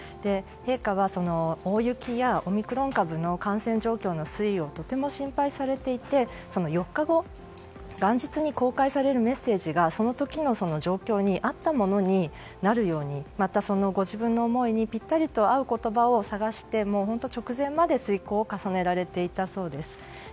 陛下は大雪やオミクロン株の感染状況などの推移をとても心配されていてその４日後、元日に公開されるメッセージがその時の状況に合ったものになるようにまた、ご自分の思いにぴったりと合う言葉を探して、直前まで推敲を重ねられていたそうです。